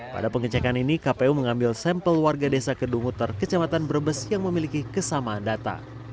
pada pengecekan ini kpu mengambil sampel warga desa kedunguter kecamatan brebes yang memiliki kesamaan data